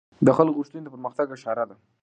د خلکو غوښتنې د پرمختګ اشاره ده